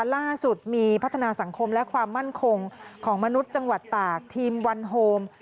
ล่าสุดมีพัฒนาสังคมและความมั่นคงของมนุษย์จังหวัดตากทีมวันโฮม